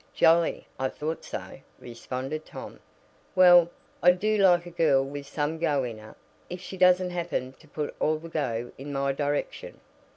"Jolly! I thought so," responded Tom. "Well, I do like a girl with some go in her, if she doesn't happen to put all the go in my direction."